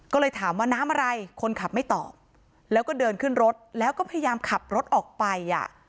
ก็เลยถามว่าน้ำอะไรคนขับไม่ตอบแล้วก็เดินขึ้นรถแล้วก็พยายามขับรถออกไปอ่ะ